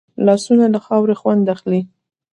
لاسونه له خاورې خوند اخلي